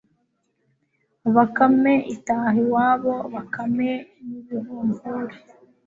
bakame itaha iwayo. bakame n'ibivumvuri